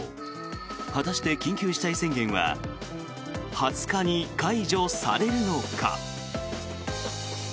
果たして、緊急事態宣言は２０日に解除されるのか。